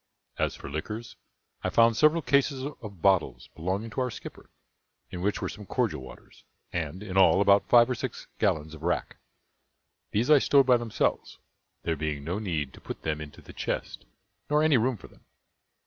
As for liquors, I found several cases of bottles belonging to our skipper, in which were some cordial waters; and, in all, about five or six gallons of rack. These I stowed by themselves, there being no need to put them into the chest, nor any room for them.